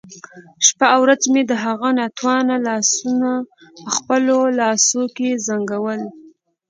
شپه او ورځ مې د هغه ناتوانه لاسونه په خپلو لاسو کې زنګول.